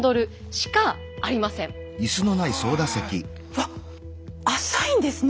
わっ浅いんですね。